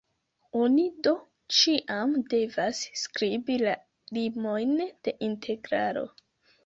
Oni do ĉiam devas skribi la limojn de integralo.